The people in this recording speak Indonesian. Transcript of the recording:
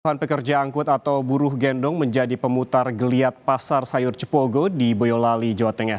puluhan pekerja angkut atau buruh gendong menjadi pemutar geliat pasar sayur cepogo di boyolali jawa tengah